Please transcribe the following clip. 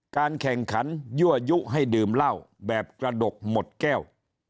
การแข่งขันยั่วยุให้ดื่มเหล้าแบบกระดกหมดแก้ว